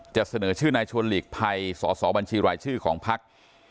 จะเสนอชื่อนายชวนหลีกภัยสอสอบัญชีรายชื่อของพัก